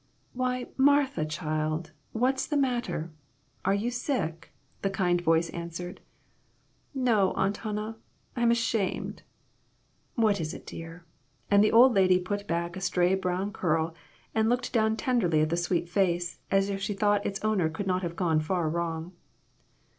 "Why, Martha child, what's the matter? Are you sick?" the kind voice asked. "No, Aunt Hannah; I'm ashamed." "What is it, dear?" and the old lady put back a stray brown curl, and looked down tenderly at the sweet face as if she thought its owner could not have gone far wrong.